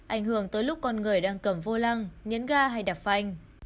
ảnh hưởng tới lúc con người đang cầm vô lăng nhấn ga hay đạp phanh